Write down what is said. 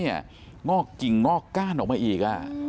ยังออกกล้านออกมาอีก